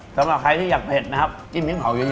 สำหรับใครที่อยากเผ็ดนะครับจิ้มนิ้งเผาเยอะ